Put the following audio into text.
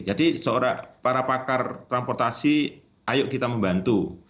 jadi seorang para pakar transportasi ayo kita membantu